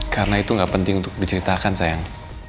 karena itu gak penting untuk diceritakan sayang